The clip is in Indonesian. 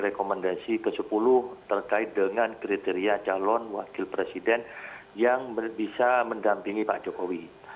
rekomendasi ke sepuluh terkait dengan kriteria calon wakil presiden yang bisa mendampingi pak jokowi